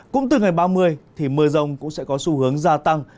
cũng từ ngày ba mươi thì mưa rông cũng sẽ có xu hướng gia tăng